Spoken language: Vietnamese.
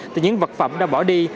từ những vật phẩm đã bỏ đi